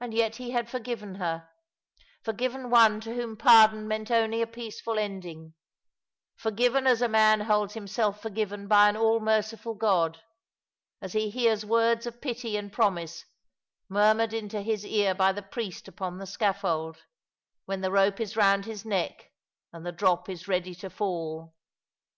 And yet he had forgiven her — forgiven one to whom pardon meant only a peaceful ending ; forgiven as a man holds himself forgiven by an all merciful God, as he hears words of pity and promise murmured into his ear by the priest upon the scaS'old, when the rope is round his neck and the drop is ready to fall.